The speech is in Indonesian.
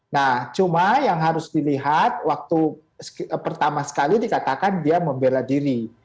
nah cuma yang harus dilihat waktu pertama sekali dikatakan dia membela diri